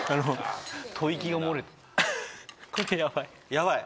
ヤバい。